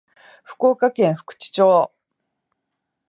福岡県福智町